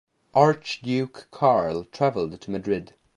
Archduke Karl travelled to Madrid.